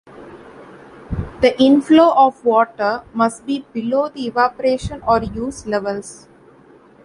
The inflow of water must be below the evaporation or use levels.